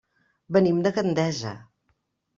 Venim de Gandesa.